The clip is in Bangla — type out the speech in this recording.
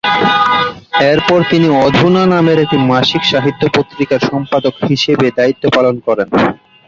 এরপর তিনি "অধুনা" নামের একটি মাসিক সাহিত্য পত্রিকার সম্পাদক হিসেবে দায়িত্ব পালন করেন।